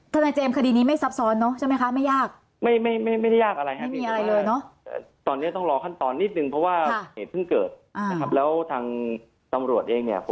ท่านเจมส์คดีนี้ไม่ซับซ้อนเนอะใช่มั้ยคะไม่ยาก